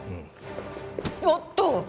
おっと！